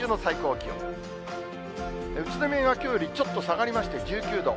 宇都宮がきょうよりちょっと下がりまして１９度。